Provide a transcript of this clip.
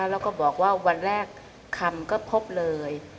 แล้วก็บอกว่าวันแรกคำก็พบเลย